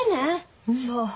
そう。